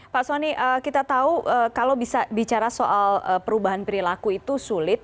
pak soni kita tahu kalau bisa bicara soal perubahan perilaku itu sulit